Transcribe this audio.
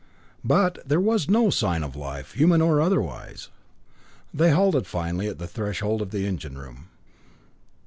But there was no sign of life, human or otherwise. They halted finally at the threshold of the engine room.